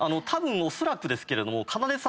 おそらくですけれども。